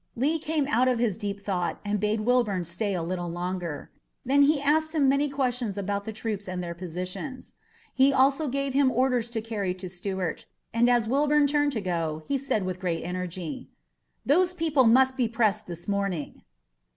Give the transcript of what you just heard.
Lee came out of his deep thought and bade Wilbourn stay a little longer. Then he asked him many questions about the troops and their positions. He also gave him orders to carry to Stuart, and as Wilbourn turned to go, he said with great energy: "Those people must be pressed this morning!"